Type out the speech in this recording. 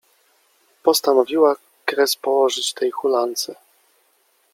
Postanowiła kres położyć tej hulance.